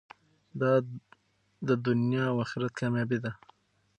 دا د دنیا او اخرت کامیابي ده.